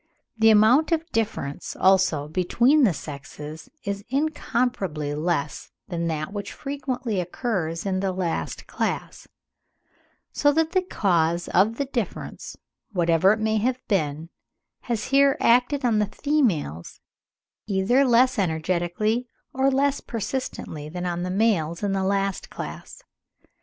The amount of difference, also, between the sexes is incomparably less than that which frequently occurs in the last class; so that the cause of the difference, whatever it may have been, has here acted on the females either less energetically or less persistently than on the males in the last class.